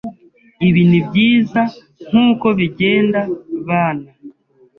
Ibi nibyiza nkuko bigenda, bana.